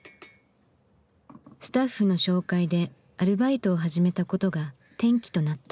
スタッフの紹介でアルバイトを始めたことが転機となった。